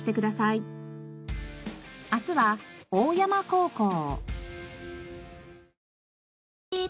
明日は大山高校。